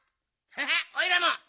ハハッおいらも！